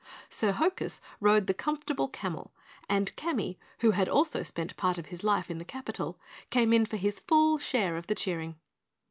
Sir Hokus rode the Comfortable Camel, and Camy, who had also spent part of his life in the capital, came in for his full share of the cheering.